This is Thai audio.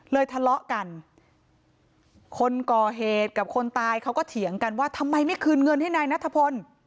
ทะเลาะกันคนก่อเหตุกับคนตายเขาก็เถียงกันว่าทำไมไม่คืนเงินให้นายนัทพล